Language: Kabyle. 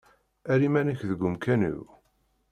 Err iman-ik deg umkan-iw.